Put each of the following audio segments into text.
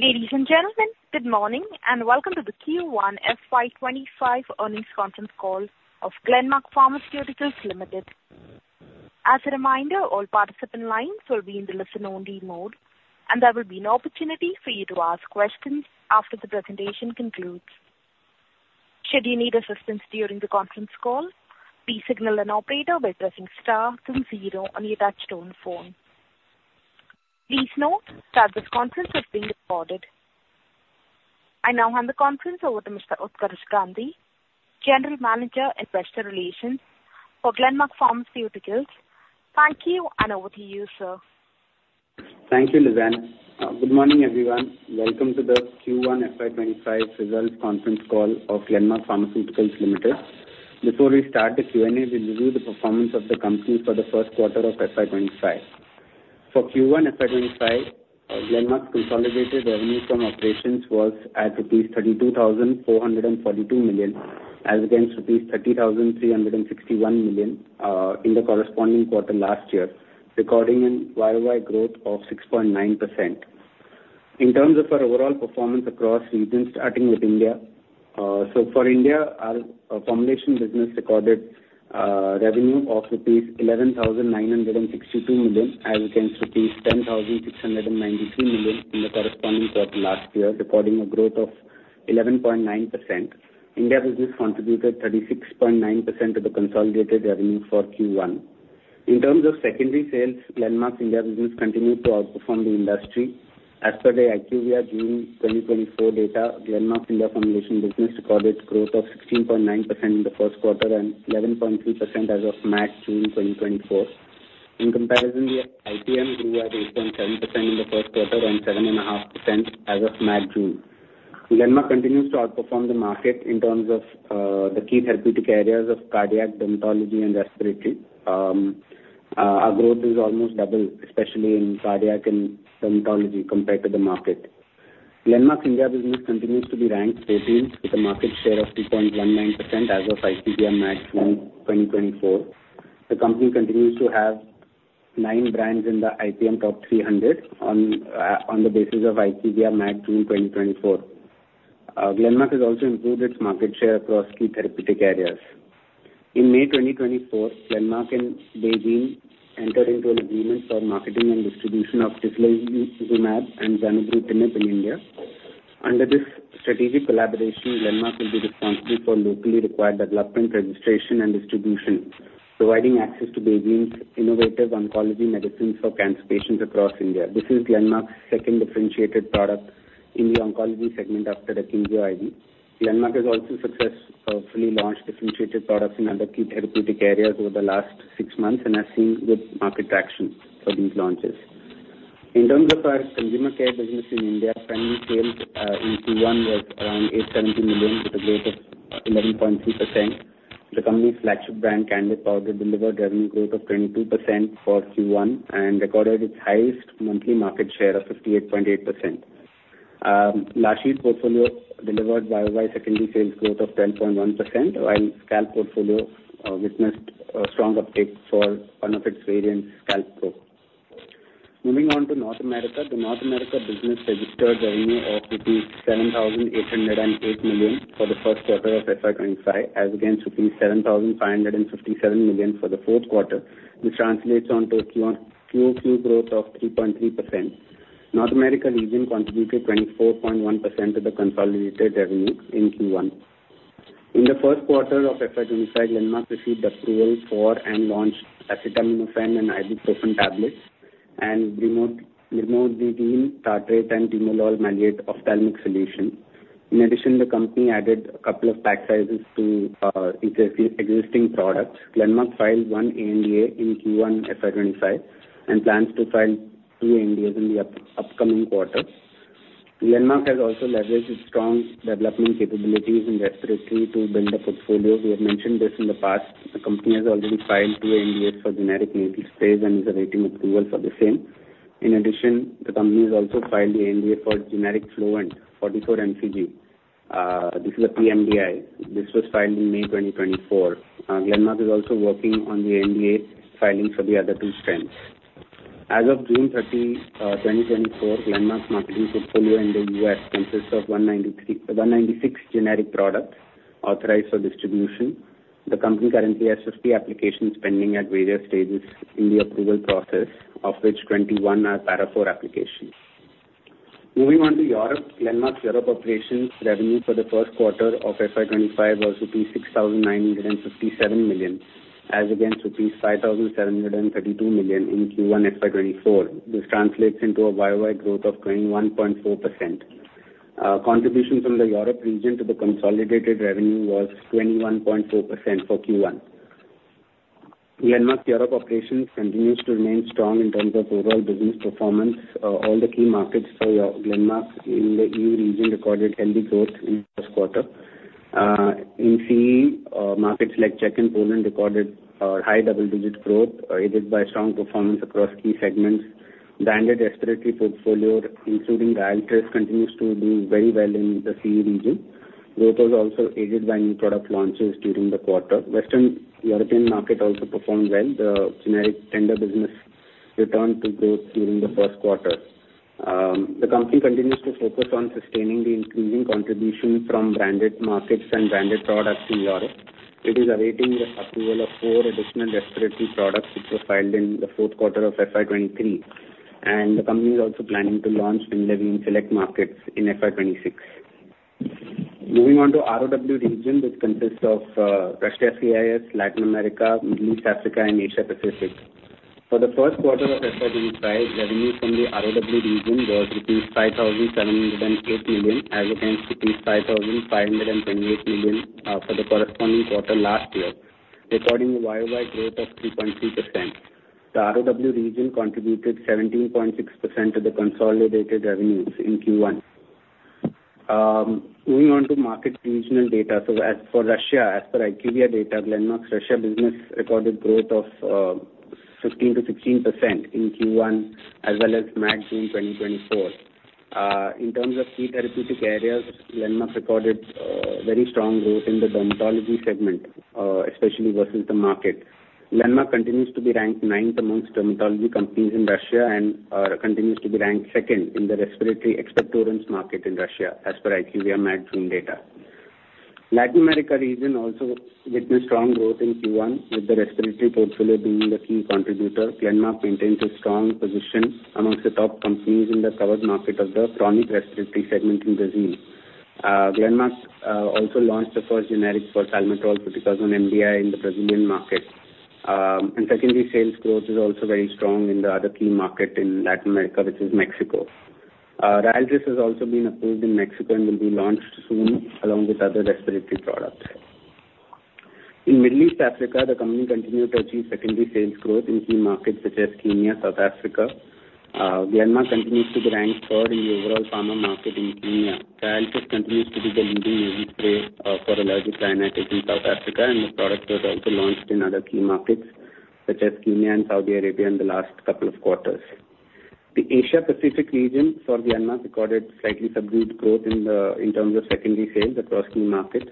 Ladies and gentlemen, good morning, and welcome to the Q1 FY25 earnings conference call of Glenmark Pharmaceuticals Limited. As a reminder, all participant lines will be in the listen-only mode, and there will be an opportunity for you to ask questions after the presentation concludes. Should you need assistance during the conference call, please signal an operator by pressing star then zero on your touchtone phone. Please note that this conference is being recorded. I now hand the conference over to Mr. Utkarsh Gandhi, General Manager, Investor Relations for Glenmark Pharmaceuticals. Thank you, and over to you, sir. Thank you, Lizanne. Good morning, everyone. Welcome to the Q1 FY 25 results conference call of Glenmark Pharmaceuticals Limited. Before we start the Q&A, we'll review the performance of the company for the first quarter of FY 25. For Q1 FY 25, Glenmark's consolidated revenue from operations was at 32,442 million, as against 30,361 million in the corresponding quarter last year, recording a YOY growth of 6.9%. In terms of our overall performance across regions, starting with India. So for India, our formulation business recorded revenue of rupees 11,962 million, as against rupees 10,693 million in the corresponding quarter last year, recording a growth of 11.9%. India business contributed 36.9% of the consolidated revenue for Q1. In terms of secondary sales, Glenmark India business continued to outperform the industry. As per the IQVIA June 2024 data, Glenmark India formulation business recorded growth of 16.9% in the first quarter and 11.3% as of March-June 2024. In comparison, the IPM grew at 8.7% in the first quarter and 7.5% as of March-June. Glenmark continues to outperform the market in terms of the key therapeutic areas of cardiac, dermatology and respiratory. Our growth is almost double, especially in cardiac and dermatology, compared to the market. Glenmark India business continues to be ranked thirteenth, with a market share of 2.19% as of IPM March-June 2024. The company continues to have 9 brands in the IPM top 300 on the basis of IPM March-June 2024. Glenmark has also improved its market share across key therapeutic areas. In May 2024, Glenmark and BeiGene entered into an agreement for marketing and distribution of tislelizumab and zanubrutinib in India. Under this strategic collaboration, Glenmark will be responsible for locally required development, registration and distribution, providing access to BeiGene's innovative oncology medicines for cancer patients across India. This is Glenmark's second differentiated product in the oncology segment after Akynzeo IV. Glenmark has also successfully launched differentiated products in other key therapeutic areas over the last six months and has seen good market traction for these launches. In terms of our consumer care business in India, primary sales in Q1 was around 870 million, with a growth of 11.3%. The company's flagship brand, Candid Powder, delivered revenue growth of 22% for Q1 and recorded its highest monthly market share of 58.8%. La Shield portfolio delivered YOY secondary sales growth of 10.1%, while Scalpe portfolio witnessed a strong uptake for one of its variants, Scalpe Pro. Moving on to North America. The North America business registered revenue of 7,808 million for the first quarter of FY 2025, as against 7,557 million for the fourth quarter, which translates to a QoQ growth of 3.3%. North America region contributed 24.1% of the consolidated revenue in Q1. In the first quarter of FY 2025, Glenmark received approval for and launched acetaminophen and ibuprofen tablets and brimonidine tartrate and timolol maleate ophthalmic solution. In addition, the company added a couple of pack sizes to existing products. Glenmark filed 1 ANDA in Q1 FY 2025 and plans to file 2 ANDAs in the upcoming quarter. Glenmark has also leveraged its strong development capabilities in respiratory to build a portfolio. We have mentioned this in the past. The company has already filed 2 ANDAs for generic maintenance phase and is awaiting approval for the same. In addition, the company has also filed the ANDA for generic Flovent 44 MCG. This is a pMDI. This was filed in May 2024. Glenmark is also working on the ANDA filing for the other 2 strengths. As of June 30, 2024, Glenmark's marketing portfolio in the U.S. consists of 196 generic products authorized for distribution. The company currently has 50 applications pending at various stages in the approval process, of which 21 are Para IV applications. Moving on to Europe. Glenmark's Europe operations revenue for the first quarter of FY 2025 was rupees 6,957 million, as against rupees 5,732 million in Q1 FY 2024. This translates into a YOY growth of 21.4%. Contribution from the Europe region to the consolidated revenue was 21.4% for Q1. Glenmark's Europe operations continues to remain strong in terms of overall business performance. All the key markets for Glenmark in the EU region recorded healthy growth in the first quarter. In CEE, markets like Czech and Poland recorded high double-digit growth, aided by strong performance across key segments. The branded respiratory portfolio, including RYALTRIS, continues to do very well in the CEE region. Growth was also aided by new product launches during the quarter. Western European market also performed well. The generic tender business returned to growth during the first quarter. The company continues to focus on sustaining the increasing contribution from branded markets and branded products in Europe. It is awaiting the approval of four additional respiratory products, which were filed in the fourth quarter of FY 2023, and the company is also planning to launch in 11 select markets in FY 2026. Moving on to ROW region, which consists of Russia, CIS, Latin America, Middle East, Africa, and Asia Pacific. For the first quarter of FY 2025, revenue from the ROW region was rupees 5,708 million, as against rupees 5,528 million for the corresponding quarter last year, recording a YOY growth of 3.2%. The ROW region contributed 17.6% of the consolidated revenues in Q1. Moving on to market regional data. So as for Russia, as per IQVIA data, Glenmark's Russia business recorded growth of 15%-16% in Q1, as well as MAT June 2024. In terms of key therapeutic areas, Glenmark recorded very strong growth in the dermatology segment, especially versus the market. Glenmark continues to be ranked ninth amongst dermatology companies in Russia and continues to be ranked second in the respiratory expectorants market in Russia as per IQVIA MAT June data. Latin America region also witnessed strong growth in Q1, with the respiratory portfolio being the key contributor. Glenmark maintains a strong position amongst the top companies in the covered market of the chronic respiratory segment in Brazil. Glenmark's also launched the first generic for salmeterol fluticasone MDI in the Brazilian market. And secondly, sales growth is also very strong in the other key market in Latin America, which is Mexico. RYALTRIS has also been approved in Mexico and will be launched soon, along with other respiratory products. In Middle East Africa, the company continued to achieve secondary sales growth in key markets such as Kenya, South Africa. Glenmark continues to be ranked third in the overall pharma market in Kenya. RYALTRIS continues to be the leading nasal spray for allergic rhinitis in South Africa, and the product was also launched in other key markets, such as Kenya and Saudi Arabia in the last couple of quarters. The Asia Pacific region for Glenmark recorded slightly subdued growth in terms of secondary sales across key markets,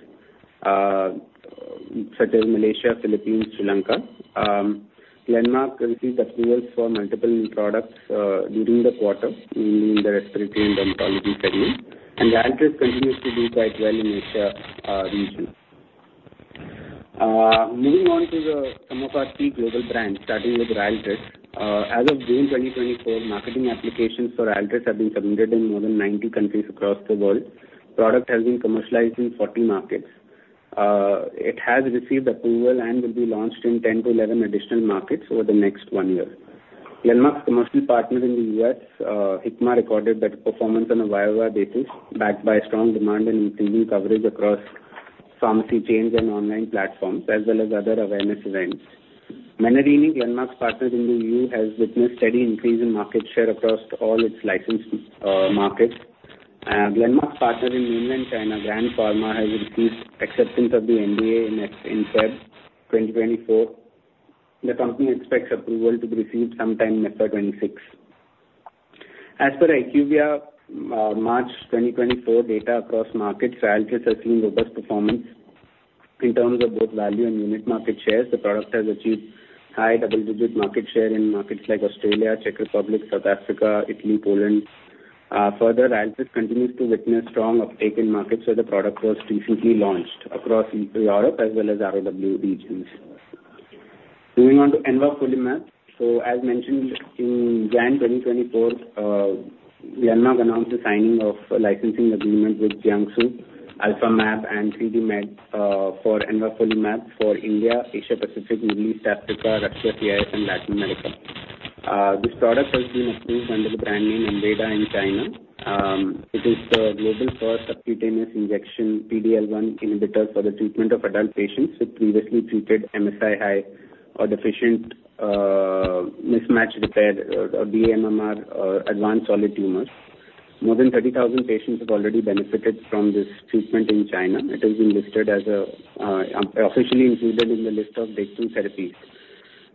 such as Malaysia, Philippines, Sri Lanka. Glenmark received approvals for multiple new products during the quarter in the respiratory and dermatology segments, and RYALTRIS continues to do quite well in Asia region. Moving on to some of our key global brands, starting with RYALTRIS. As of June 2024, marketing applications for RYALTRIS have been submitted in more than 90 countries across the world. Product has been commercialized in 40 markets. It has received approval and will be launched in 10-11 additional markets over the next one year. Glenmark's commercial partners in the US, Hikma recorded better performance on a YOY basis, backed by strong demand and increasing coverage across pharmacy chains and online platforms, as well as other awareness events. Menarini, Glenmark's partners in the EU, has witnessed steady increase in market share across all its licensed markets. Glenmark's partner in Mainland China, Grand Pharma, has received acceptance of the NDA in February 2024. The company expects approval to be received sometime in FY 2026. As per IQVIA, March 2024 data across markets, RYALTRIS has seen robust performance in terms of both value and unit market shares. The product has achieved high double-digit market share in markets like Australia, Czech Republic, South Africa, Italy, Poland. Further, RYALTRIS continues to witness strong uptake in markets where the product was recently launched across Europe as well as ROW regions. Moving on to envafolimab. As mentioned in January 2024, Glenmark announced the signing of a licensing agreement with Jiangsu Alphamab and 3D Medicines for envafolimab for India, Asia Pacific, Middle East, Africa, Russia, CIS, and Latin America. This product has been approved under the brand name Enweida in China. It is the global first subcutaneous injection PDL-1 inhibitor for the treatment of adult patients with previously treated MSI-H or deficient mismatch repair or dMMR advanced solid tumors. More than 30,000 patients have already benefited from this treatment in China. It has been listed as officially included in the list of basic therapies.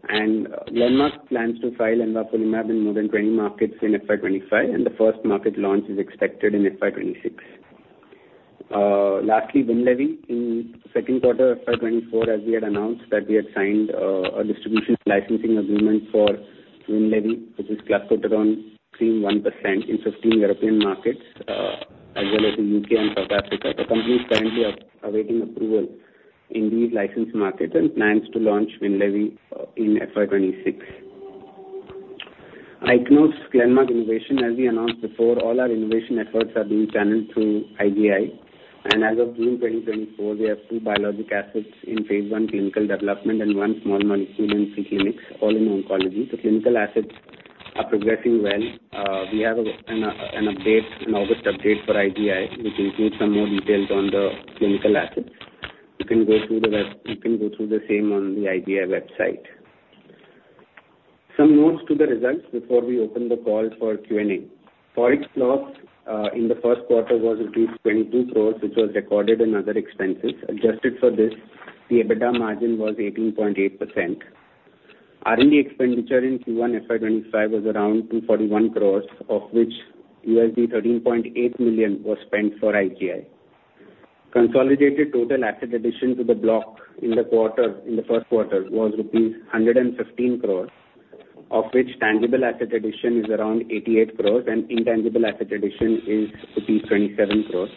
Glenmark plans to file envafolimab in more than 20 markets in FY 25, and the first market launch is expected in FY 26. Lastly, WINLEVI. In second quarter of FY 24, as we had announced, that we had signed a distribution licensing agreement for WINLEVI, which is clascoterone 1% in 15 European markets, as well as the U.K. and South Africa. The company is currently awaiting approval in these licensed markets and plans to launch WINLEVI in FY 26. In closing, Glenmark Innovation. As we announced before, all our innovation efforts are being channeled through IGI. And as of June 2024, we have 2 biologic assets in phase 1 clinical development and 1 small molecule in 3 clinics, all in oncology. The clinical assets are progressing well. We have an update, an August update for IGI, which includes some more details on the clinical assets. You can go through the same on the IGI website. Some notes to the results before we open the call for Q&A. Forex loss in the first quarter was rupees 22 crore, which was recorded in other expenses. Adjusted for this, the EBITDA margin was 18.8%. R&D expenditure in Q1 FY 2025 was around 241 crore, of which $13.8 million was spent for IGI. Consolidated total asset addition to the block in the quarter, in the first quarter, was rupees 115 crore, of which tangible asset addition is around 88 crore and intangible asset addition is rupees 27 crore.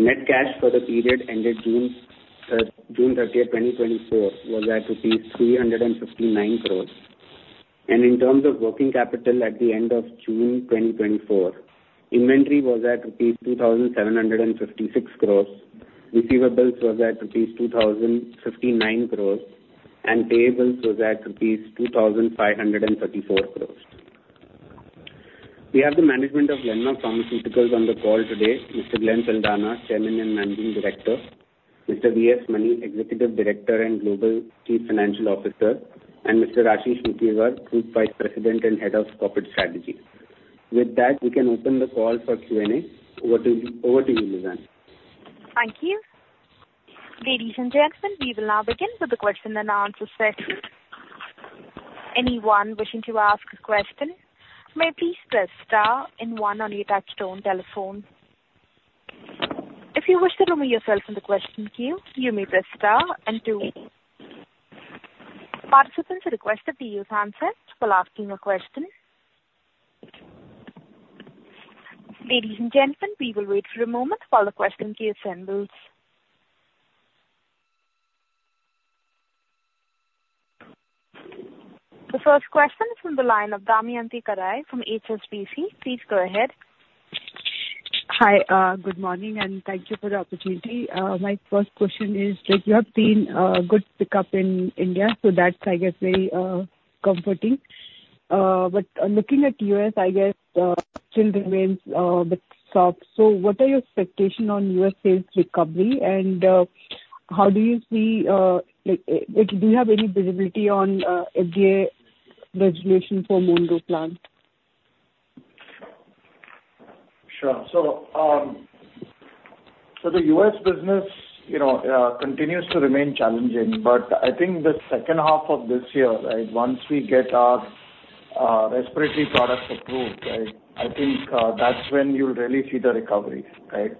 Net cash for the period ended June thirtieth, 2024, was at INR 359 crore. In terms of working capital at the end of June 2024, inventory was at rupees 2,756 crore, receivables was at rupees 2,059 crore, and payables was at rupees 2,534 crore. We have the management of Glenmark Pharmaceuticals on the call today, Mr. Glenn Saldanha, Chairman and Managing Director, Mr. V.S. Mani, Executive Director and Global Chief Financial Officer, and Mr. Ashish Kothari, Group Vice President and Head of Corporate Strategy. With that, we can open the call for Q&A. Over to you, over to you, Lizanne. Thank you. Ladies and gentlemen, we will now begin with the question and answer session. Anyone wishing to ask a question, may please press star and one on your touchtone telephone. If you wish to remove yourself from the question queue, you may press star and two. Participants are requested to use handsets while asking a question. Ladies and gentlemen, we will wait for a moment while the question queue assembles. The first question is from the line of Damayanti Kerai from HSBC. Please go ahead. Hi, good morning, and thank you for the opportunity. My first question is, that you have seen good pickup in India, so that's, I guess, very comforting. But looking at U.S., I guess, still remains bit soft. So what are your expectation on U.S. sales recovery, and how do you see, like, do you have any visibility on FDA regulation for Monroe plant? Sure. So, the U.S. business, you know, continues to remain challenging, but I think the second half of this year, right, once we get our respiratory products approved, right, I think that's when you'll really see the recovery, right?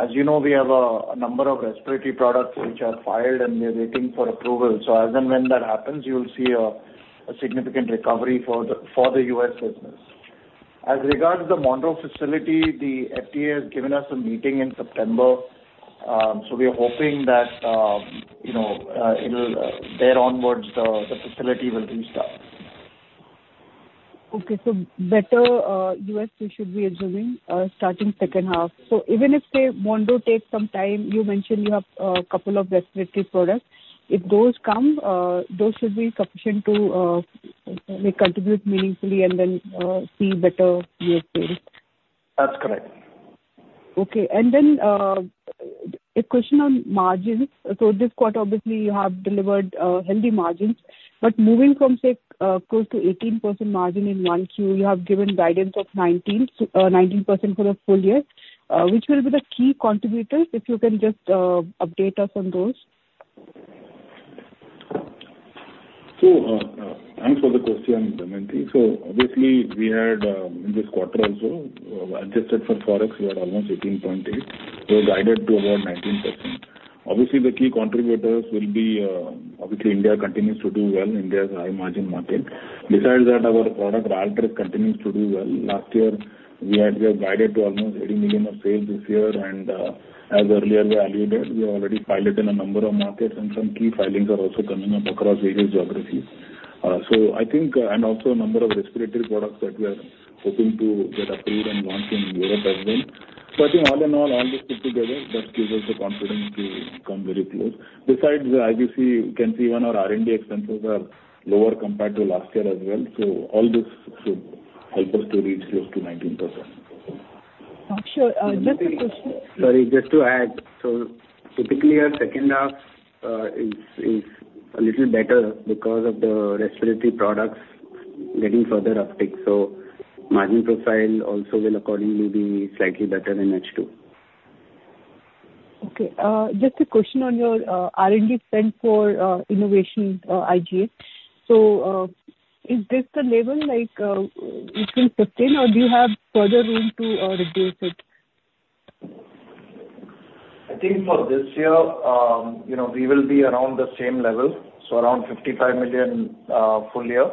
As you know, we have a number of respiratory products which are filed, and we are waiting for approval. So as and when that happens, you'll see a significant recovery for the U.S. business. As regards to the Monroe facility, the FDA has given us a meeting in September. So we are hoping that, you know, it'll there onwards, the facility will restart. Okay. So better, US you should be observing, starting second half. So even if, say, Monroe takes some time, you mentioned you have, a couple of respiratory products. If those come, those should be sufficient to, may contribute meaningfully and then, see better US sales? That's correct. Okay. Then, a question on margins. This quarter, obviously, you have delivered, healthy margins, but moving from, say, close to 18% margin in 1Q, you have given guidance of 19, 19% for the full year. Which will be the key contributors, if you can just, update us on those? So, thanks for the question, Damayanti. So obviously, we had, in this quarter also, adjusted for Forex, we are almost 18.8. We have guided to about 19%. Obviously, the key contributors will be, obviously, India continues to do well. India is a high-margin market. Besides that, our product RYALTRIS continues to do well. Last year, we had guided to almost $80 million of sales this year, and, as earlier we alluded, we have already filed it in a number of markets, and some key filings are also coming up across various geographies. So I think, and also a number of respiratory products that we are hoping to get approved and launched in Europe as well. So I think all in all, all this put together, that gives us the confidence to come very close. Besides, as you see, you can see even our R&D expenses are lower compared to last year as well, so all this should help us to reach close to 19%. Sure. Just a question- Sorry, just to add, so typically our second half is a little better because of the respiratory products getting further uptick, so margin profile also will accordingly be slightly better in H2. Okay. Just a question on your R&D spend for innovation, IGI. So, is this the level, like, you can sustain, or do you have further room to reduce it? I think for this year, you know, we will be around the same level, so around 55 million full year.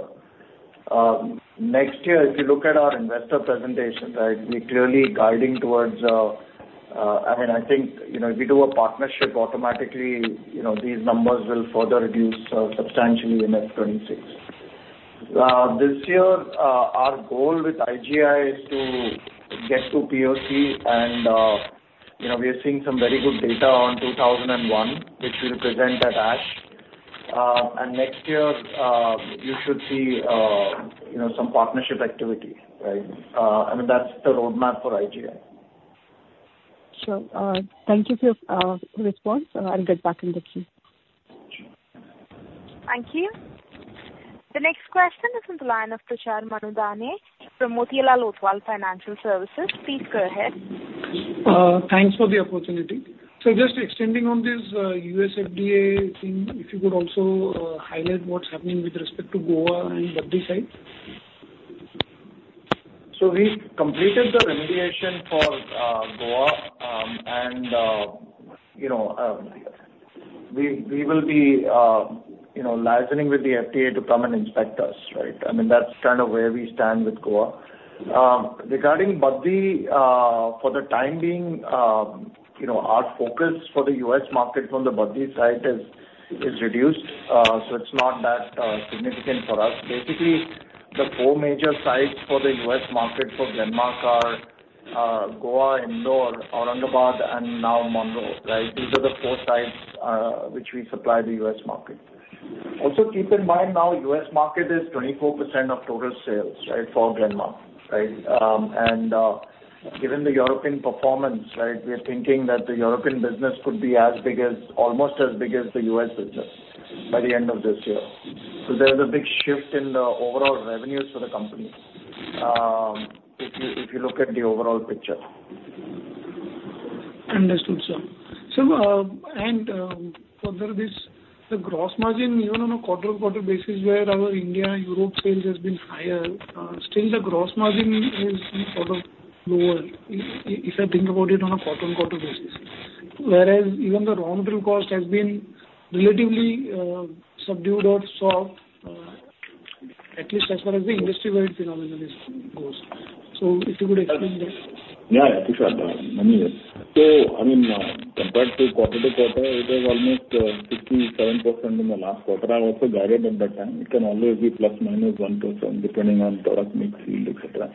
Next year, if you look at our investor presentation, right, we're clearly guiding towards... I mean, I think, you know, if we do a partnership, automatically, you know, these numbers will further reduce substantially in FY 2026. This year, our goal with IGI is to get to POC and, you know, we are seeing some very good data on 2001, which we will present at ASH. And next year, you should see, you know, some partnership activity, right? I mean, that's the roadmap for IGI. Sure. Thank you for your response. I'll get back in the queue. Thank you. The next question is from the line of Prashant Manudhane from Motilal Oswal Financial Services. Please go ahead. Thanks for the opportunity. So just extending on this, USFDA thing, if you could also, highlight what's happening with respect to Goa and Baddi site? So we've completed the remediation for Goa, and you know, we will be you know, liaising with the FDA to come and inspect us, right? I mean, that's kind of where we stand with Goa. Regarding Baddi, for the time being, you know, our focus for the US market from the Baddi site is reduced. So it's not that significant for us. Basically, the four major sites for the US market for Glenmark are Goa, Indore, Aurangabad, and now Monroe, right? These are the four sites which we supply the US market. Also, keep in mind now, US market is 24% of total sales, right, for Glenmark, right? Given the European performance, right, we are thinking that the European business could be as big as, almost as big as the US business by the end of this year. So there's a big shift in the overall revenues for the company, if you, if you look at the overall picture. Understood, sir. So, further this, the gross margin, even on a quarter-on-quarter basis, where our India and Europe sales has been higher, still the gross margin is sort of lower, if I think about it on a quarter-on-quarter basis. Whereas even the raw material cost has been relatively, subdued or soft, at least as far as the industry-wide phenomenon is, goes. So if you could explain that. Yeah, yeah, sure. So, I mean, compared to quarter-to-quarter, it was almost 67% in the last quarter. I also guided at that time, it can always be ±1%, depending on product mix, yield, et cetera.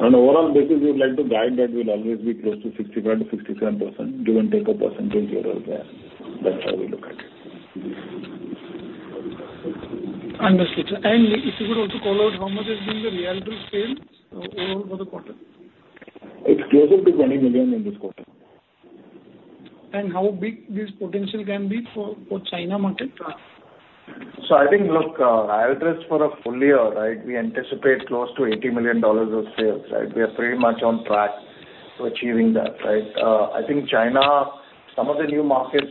On an overall basis, we would like to guide that will always be close to 65%-67%, give and take a percentage here or there. That's how we look at it. Understood, sir. And if you could also call out how much has been the retail sales overall for the quarter? It's closer to 20 million in this quarter. How big this potential can be for China market? So I think, look, I address for a full year, right? We anticipate close to $80 million of sales, right? We are pretty much on track to achieving that, right. I think China, some of the new markets,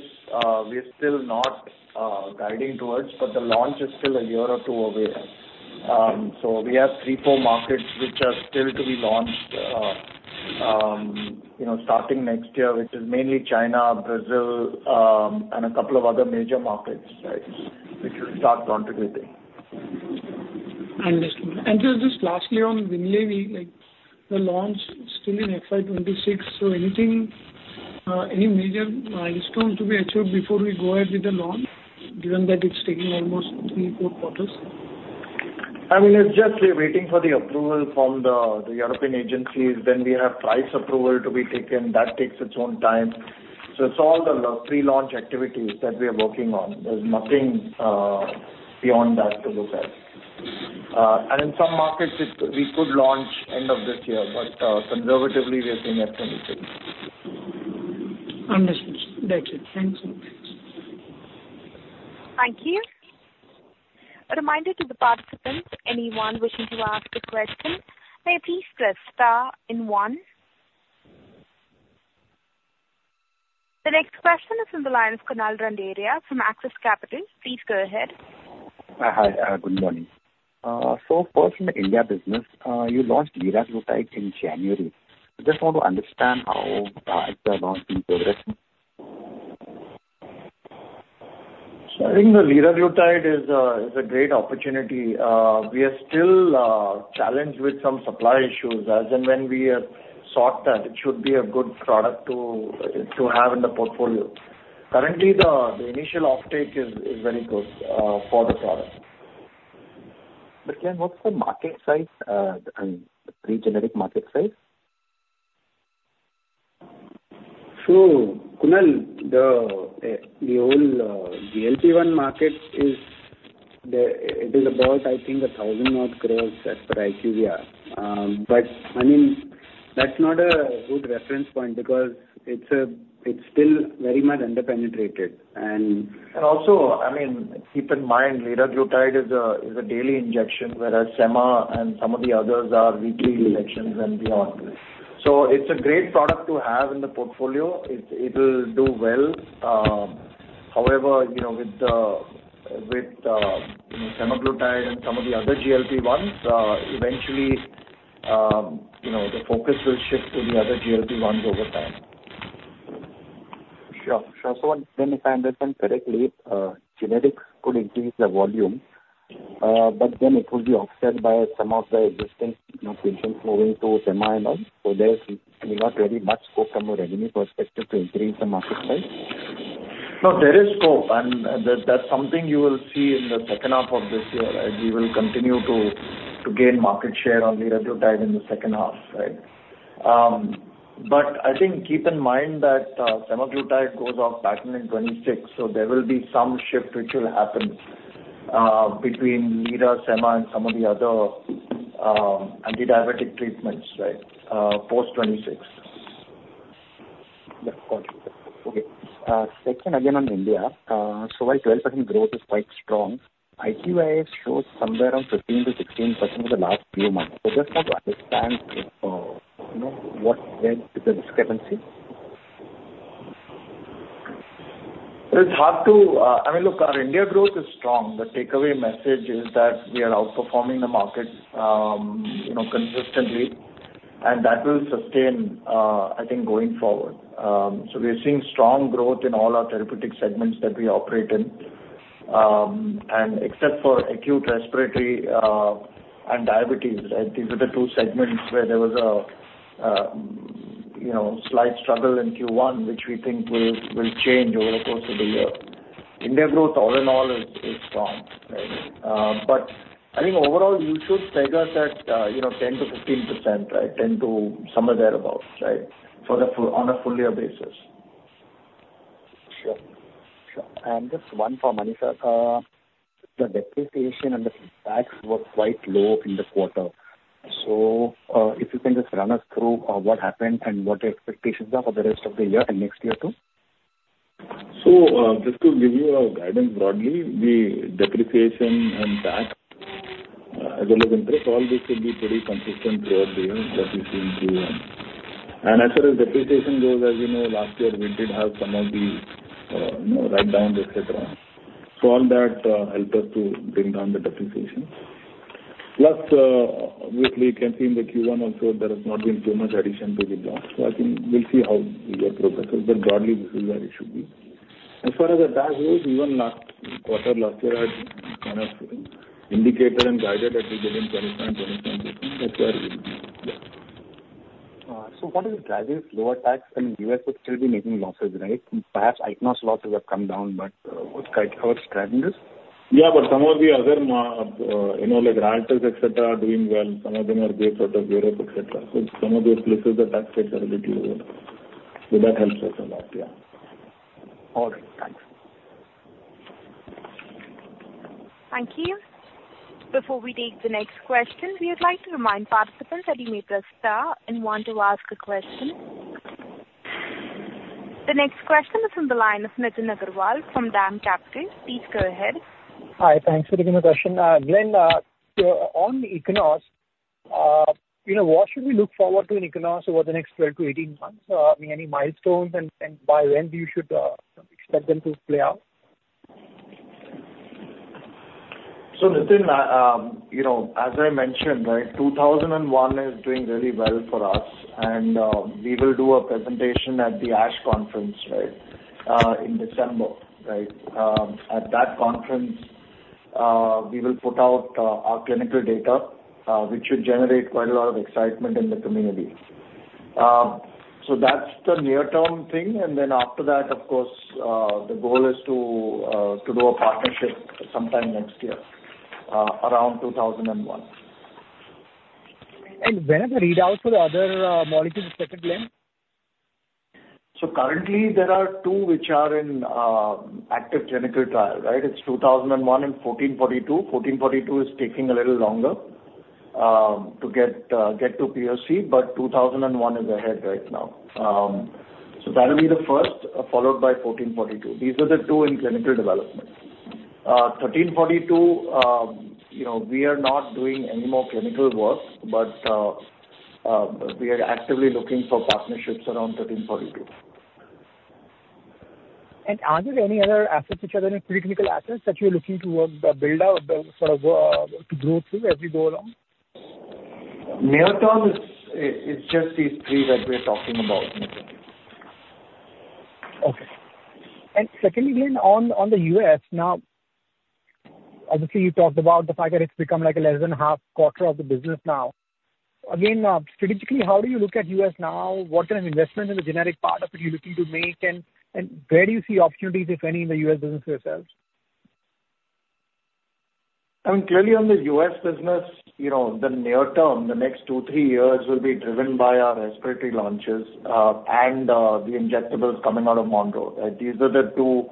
we are still not guiding towards, but the launch is still a year or two away. So we have 3-4 markets which are still to be launched, you know, starting next year, which is mainly China, Brazil, and a couple of other major markets, right, which will start contributing. Understood. And just lastly on Winlevi, like, the launch is still in FY 2026, so anything, any major milestone to be achieved before we go ahead with the launch, given that it's taking almost 3-4 quarters? I mean, it's just we're waiting for the approval from the European agencies. Then we have price approval to be taken, that takes its own time. So it's all the pre-launch activities that we are working on. There's nothing beyond that to look at. And in some markets, we could launch end of this year, but conservatively, we are saying FY 2026. Understood. That's it. Thank you. Thank you. A reminder to the participants, anyone wishing to ask a question, may please press star and one. The next question is from the line of Kunal Randeria from Axis Capital. Please go ahead. Hi. Good morning. So first, in the India business, you launched liraglutide in January. I just want to understand how that launch been progressing. So I think the liraglutide is a great opportunity. We are still challenged with some supply issues as and when we have sought that it should be a good product to have in the portfolio. Currently, the initial uptake is very good for the product. Can I know what's the market size, and the generic market size? So Kunal, the whole GLP-1 market is. It is about, I think, 1,000 crore as per IQVIA. But I mean, that's not a good reference point because it's still very much under-penetrated. Also, I mean, keep in mind, liraglutide is a daily injection, whereas Sema and some of the others are weekly injections and beyond. So it's a great product to have in the portfolio. It will do well. However, you know, with semaglutide and some of the other GLP-1s, eventually, you know, the focus will shift to the other GLP-1s over time. Sure. Sure. So then, if I understand correctly, genetic could increase the volume, but then it will be offset by some of the existing, you know, patients moving to Sema and all. So there's not really much scope from a revenue perspective to increase the market size? No, there is scope, and, that, that's something you will see in the second half of this year, as we will continue to gain market share on liraglutide in the second half, right? But I think keep in mind that, semaglutide goes off patent in 2026, so there will be some shift which will happen, between lira, Sema, and some of the other, antidiabetic treatments, right, post 2026.... Yeah, got you. Okay, second again on India. So while 12% growth is quite strong, ICYI shows somewhere around 15%-16% in the last few months. So just want to understand, you know, what led to the discrepancy? It's hard to—I mean, look, our India growth is strong. The takeaway message is that we are outperforming the market, you know, consistently, and that will sustain, I think, going forward. So we are seeing strong growth in all our therapeutic segments that we operate in. And except for acute respiratory and diabetes, these are the two segments where there was a, you know, slight struggle in Q1, which we think will change over the course of the year. India growth, all in all, is strong, right? But I think overall, you should peg us at, you know, 10%-15%, right? 10 to somewhere thereabout, right, for the full—on a full year basis. Sure. Sure. And just one for Mani Sir. The depreciation and the tax were quite low in the quarter. So, if you can just run us through what happened and what the expectations are for the rest of the year and next year, too? So, just to give you our guidance broadly, the depreciation and tax, as well as interest, all these should be pretty consistent throughout the year, that we see in Q1. And as far as depreciation goes, as you know, last year we did have some of the, you know, write-downs, et cetera. So all that helped us to bring down the depreciation. Plus, obviously, you can see in the Q1 also, there has not been too much addition to the block. So I think we'll see how the year progresses, but broadly, this is where it should be. As far as the tax goes, even last quarter, last year, I kind of indicated and guided that we be in 25%-27%. That's where we'll be, yeah. So what is driving lower tax? I mean, US would still be making losses, right? Perhaps Ichnos losses have come down, but what's driving this? Yeah, but some of the other, you know, like, rentals, et cetera, are doing well. Some of them are based out of Europe, et cetera. So some of those places, the tax rates are a little lower. So that helps us a lot, yeah. All right. Thanks. Thank you. Before we take the next question, we would like to remind participants that you may press star and one to ask a question. The next question is from the line of Nithin Agarwal from Dam Capital. Please go ahead. Hi, thanks for taking my question. Glenn, so on Ichnos, you know, what should we look forward to in Ichnos over the next 12-18 months? Any milestones and by when do you should expect them to play out? So Nithin, I, you know, as I mentioned, right, 2001 is doing really well for us, and we will do a presentation at the ASH conference, right, in December, right? At that conference, we will put out our clinical data, which should generate quite a lot of excitement in the community. So that's the near-term thing, and then after that, of course, the goal is to to do a partnership sometime next year, around 2001. When is the readout for the other molecules expected, Glenn? So currently, there are two which are in active clinical trial, right? It's 2001 and 1442. 1442 is taking a little longer to get to POC, but 2001 is ahead right now. So that'll be the first followed by 1442. These are the two in clinical development. 1342, you know, we are not doing any more clinical work, but we are actively looking for partnerships around 1342. Are there any other assets which are in pre-clinical assets that you're looking to build out or sort of to grow through as we go along? Near term is, it's just these three that we're talking about, Nithin. Okay. And secondly, Glen, on, on the US now, obviously, you talked about the fact that it's become like a less than half quarter of the business now. Again, strategically, how do you look at US now? What kind of investment in the generic part are you looking to make, and where do you see opportunities, if any, in the US business yourselves? I mean, clearly on the U.S. business, you know, the near term, the next 2, 3 years will be driven by our respiratory launches, and the injectables coming out of Monroe. These are the two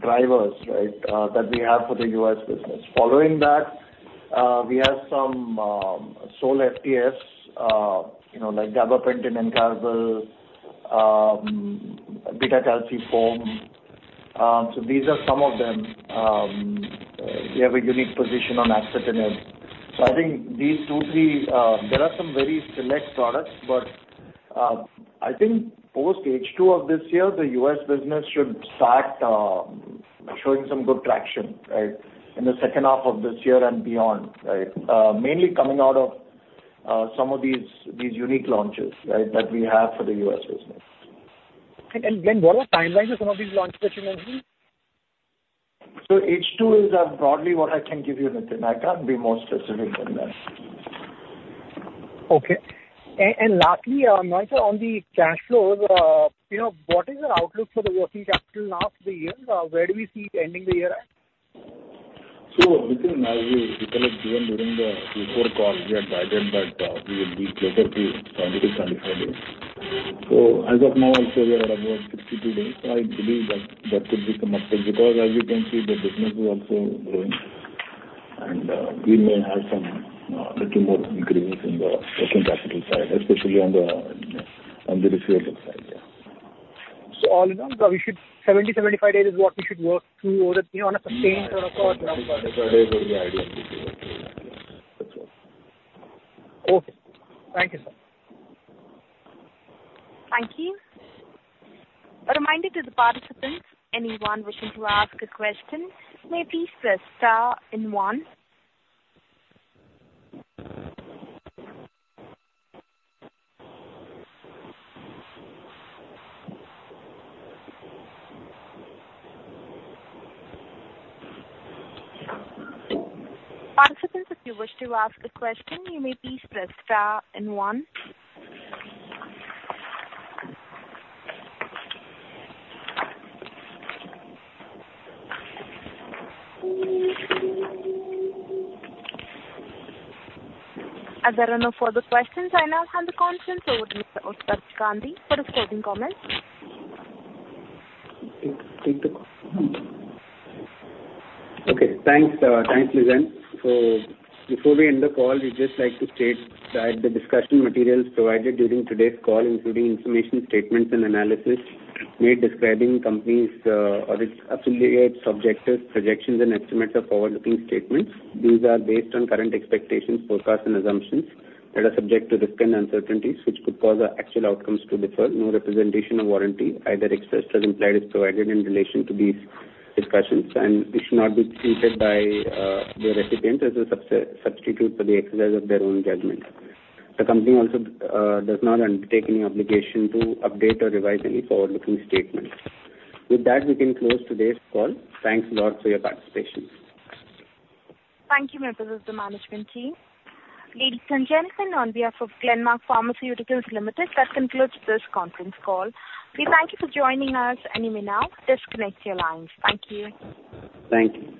drivers, right, that we have for the U.S. business. Following that, we have some sole FTFs, you know, like Gabapentin Enacarbil, beta calciform. So these are some of them. We have a unique position on Axitinib. So I think these 2, 3. There are some very select products, but I think post H2 of this year, the U.S. business should start showing some good traction, right, in the second half of this year and beyond, right? Mainly coming out of some of these, these unique launches, right, that we have for the U.S. business. Glen, what are the timelines of some of these launches that you mentioned? So H2 is broadly what I can give you, Nithin. I can't be more specific than that. Okay. Lastly, Manisha, on the cash flows, you know, what is your outlook for the working capital now for the year? Where do we see it ending the year at? So Nithin, as we kind of given during the fourth call, we had guided that we will be closer to 22-25 days. So as of now, I'd say we are at about 62 days. So I believe that that could become updated, because as you can see, the business is also growing. ...and we may have some little more increase in the working capital side, especially on the receivable side, yeah. All in all, we should 70-75 days is what we should work through over, you know, on a sustained sort of. Yeah, 75 days is the idea. Okay. Thank you, sir. Thank you. A reminder to the participants, anyone wishing to ask a question, may please press star and one. Participants, if you wish to ask a question, you may please press star and one. If there are no further questions, I now hand the conference over to Mr. Utkarsh Gandhi for his closing comments. Take the call. Okay, thanks. Thanks, Lizanne. So before we end the call, we'd just like to state that the discussion materials provided during today's call, including information, statements and analysis, made describing company's or its affiliates, objectives, projections and estimates are forward-looking statements. These are based on current expectations, forecasts and assumptions that are subject to risk and uncertainties, which could cause the actual outcomes to differ. No representation or warranty, either expressed or implied, is provided in relation to these discussions, and it should not be treated by the recipient as a substitute for the exercise of their own judgment. The company also does not undertake any obligation to update or revise any forward-looking statements. With that, we can close today's call. Thanks a lot for your participation. Thank you, members of the management team. Ladies and gentlemen, on behalf of Glenmark Pharmaceuticals Limited, that concludes this conference call. We thank you for joining us, and you may now disconnect your lines. Thank you. Thank you.